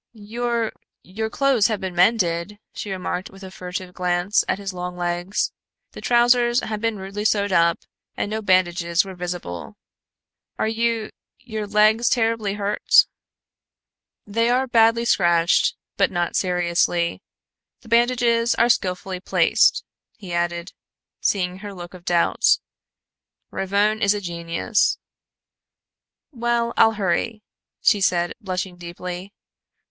"Your your clothes have been mended," she remarked with a furtive glance at his long legs. The trousers had been rudely sewed up and no bandages were visible. "Are you your legs terribly hurt???" "They are badly scratched, but not seriously. The bandages are skilfully placed," he added, seeing her look of doubt. "Ravone is a genius." "Well, I'll hurry," she said, blushing deeply.